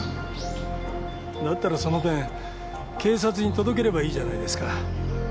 だったらそのペン警察に届ければいいじゃないですか。